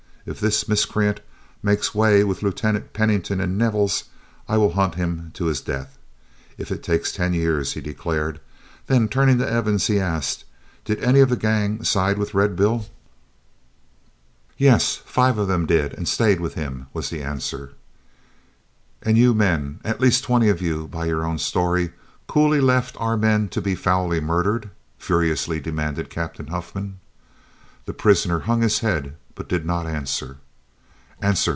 "If this miscreant makes way with Lieutenant Pennington and Nevels, I will hunt him to his death, if it takes ten years," he declared. Then turning to Evans, he asked: "Did any of the gang side with Red Bill?" "Yes, five of them did, and stayed with him," was the answer. "And you men, at least twenty of you, by your own story, coolly left our men to be foully murdered?" furiously demanded Captain Huffman. The prisoner hung his head, but did not answer. "Answer!"